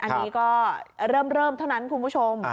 อันนี้ก็เริ่มเท่านั้นคุณผู้ชม